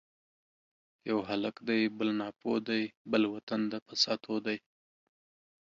یو هلک دی بل ناپوه دی ـ بل وطن د فساتو دی